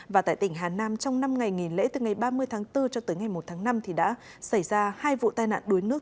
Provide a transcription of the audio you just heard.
và tại tỉnh hà nam trong năm ngày nghỉ lễ từ ngày ba mươi tháng bốn cho tới ngày một tháng năm thì đã xảy ra hai vụ tai nạn đuối nước